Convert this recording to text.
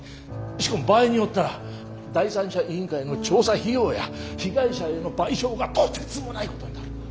しかも場合によったら第三者委員会の調査費用や被害者への賠償がとてつもないことになる。